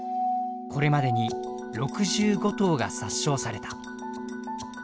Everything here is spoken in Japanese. これまでに６５頭が殺傷された。